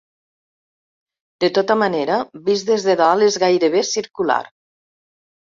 De tota manera, vist des de dalt és gairebé circular.